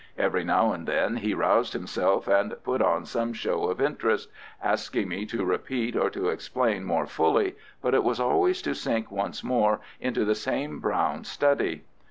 Every now and then he roused himself and put on some show of interest, asking me to repeat or to explain more fully, but it was always to sink once more into the same brown study.